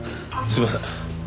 すいません。